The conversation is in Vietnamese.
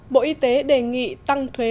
bộ y tế đề nghị tăng thuế